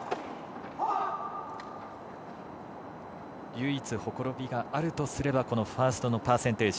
唯一ほころびがあるとすればファーストのパーセンテージ。